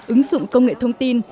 ứng dụng công nghệ thông tin